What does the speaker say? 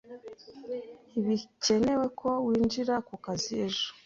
Ntibikenewe ko winjira kukazi ejo.